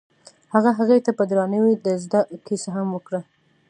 هغه هغې ته په درناوي د زړه کیسه هم وکړه.